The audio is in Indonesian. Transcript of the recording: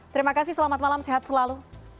terima kasih selamat malam sehat selalu